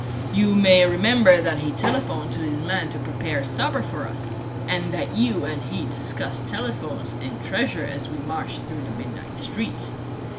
You may remember that he telephoned to his man to prepare supper for us, and that you and he discussed telephones and treasure as we marched through the midnight streets.